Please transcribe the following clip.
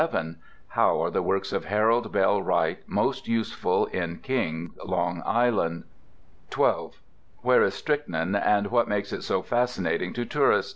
How are the works of Harold Bell Wright most useful in Kings, Long Island? 12. Where is Strychnine, and what makes it so fascinating to the tourist?